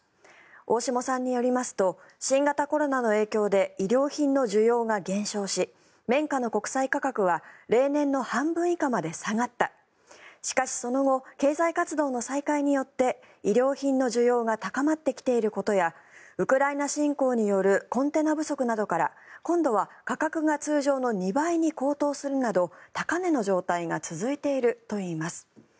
大下さんによりますと新型コロナの影響で衣料品の需要が減少し綿花の国際価格は例年の半分以下まで下がったしかし、その後経済活動の再開によって衣料品の需要が高まってきていることやウクライナ侵攻によるコンテナ不足などから今度は価格が通常の２倍に高騰するなど高値の状態が続いているといいます。